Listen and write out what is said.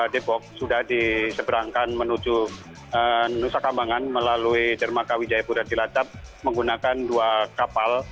depok sudah diseberangkan menuju nusa kambangan melalui jermaka wijaya budha cilacap menggunakan dua kapal